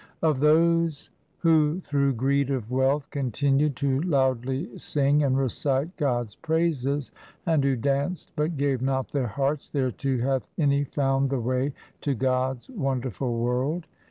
Of those who through greed of wealth continued to loudly sing and recite God's praises, And who danced but gave not their hearts thereto, hath any found the way to God's wonderful world